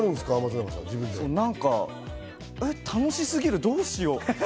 なんか楽しすぎるどうしよう。